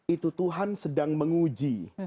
itu tuhan sedang menguji